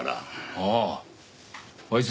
あああいつ